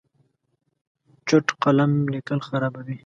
چوټ قلم لیکل خرابوي.